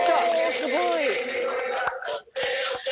すごい！